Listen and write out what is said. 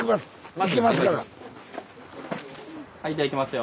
はいじゃあいきますよ。